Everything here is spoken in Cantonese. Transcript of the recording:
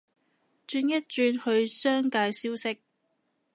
轉一轉去商界消息